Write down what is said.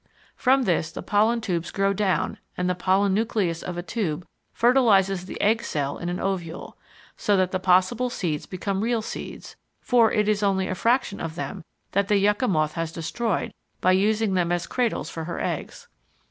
From this the pollen tubes grow down and the pollen nucleus of a tube fertilises the egg cell in an ovule, so that the possible seeds become real seeds, for it is only a fraction of them that the Yucca Moth has destroyed by using them as cradles for her eggs.